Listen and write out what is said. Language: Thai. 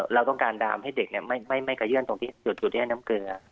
เราต้องการดามให้เด็กไม่กระเยื่อนตรงที่จุดที่ให้น้ำเกลือ